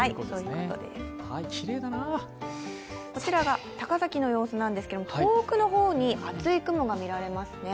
こちらが高崎の様子なんですけれども、遠くの方に厚い雲が見られますね。